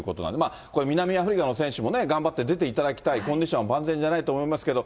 これ、南アフリカの選手も頑張って出ていただきたい、コンディションは万全じゃないと思いますけども。